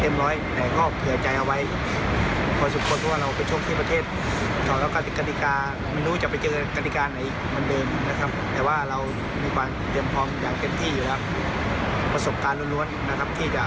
มั่นใจเต็มร้อยแต่ก็เผื่อใจเอาไว้